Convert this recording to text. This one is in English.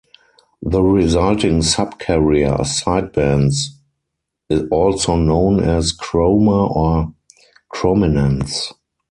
The resulting subcarrier sidebands is also known as "chroma" or "chrominance".